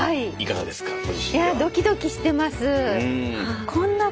いやドキドキしてますはい。